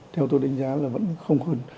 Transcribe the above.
theo tôi đánh giá là vẫn không hơn